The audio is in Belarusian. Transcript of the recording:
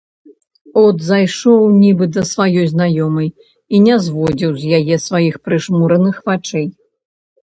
От зайшоў нібы да сваёй знаёмай і не зводзіў з яе сваіх прыжмураных вачэй.